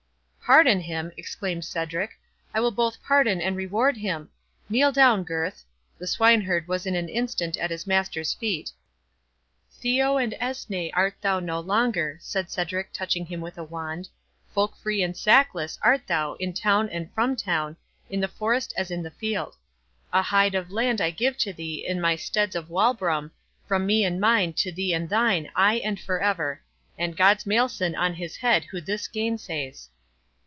"Pardon him!" exclaimed Cedric; "I will both pardon and reward him.—Kneel down, Gurth."—The swineherd was in an instant at his master's feet—"THEOW and ESNE 40 art thou no longer," said Cedric touching him with a wand; "FOLKFREE and SACLESS 41 art thou in town and from town, in the forest as in the field. A hide of land I give to thee in my steads of Walbrugham, from me and mine to thee and thine aye and for ever; and God's malison on his head who this gainsays!"